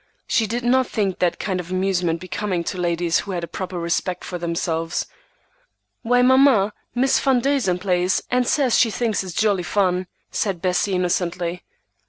She did not think that kind of amusement becoming to ladies who had a proper respect for themselves. "Why, mamma, Miss Van Duzen plays, and says she thinks it jolly fun," said Bessie innocently.